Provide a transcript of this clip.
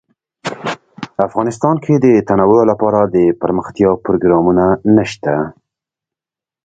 افغانستان کې د تنوع لپاره دپرمختیا پروګرامونه شته.